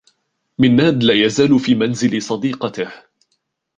منّاد لا يزال في منزل صديقته.